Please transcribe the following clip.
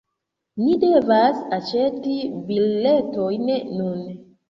Ni devas aĉeti biletojn nun